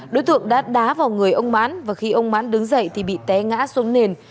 đối tượng đã đá vào người ông mãn và khi ông mãn đứng dậy thì bị té ngã xuống nền